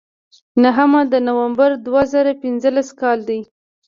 نهمه د نومبر دوه زره پینځلس کال دی.